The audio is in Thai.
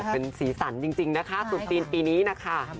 เป็นสีสันจริงนะคะตุ๊จีนปีนี้นะคะ